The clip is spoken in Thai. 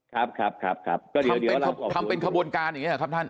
ครับครับทำเป็นขบวนการอย่างนี้หรอครับท่าน